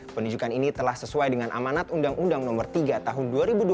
penunjukan ini telah sesuai dengan amanat undang undang no tiga tahun dua ribu dua puluh